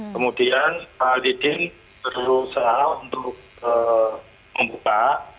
kemudian halidin berusaha untuk membuka